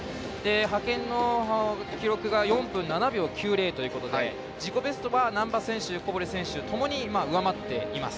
派遣の記録が４分７秒９０ということで自己ベストは難波選手、小堀選手ともに上回っています。